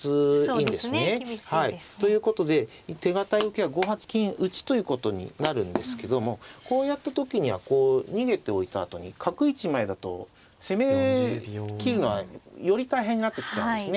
そうですね厳しいですね。ということで手堅い受けは５八金打ということになるんですけどもこうやった時にはこう逃げておいたあとに角１枚だと攻めきるのはより大変になってきちゃうんですね。